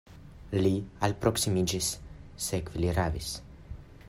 Li alproksimiĝis, sekve li ravis.